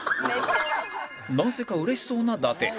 なぜかうれしそうな伊達